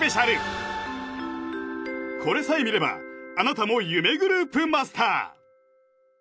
これさえ見ればあなたも夢グループマスター！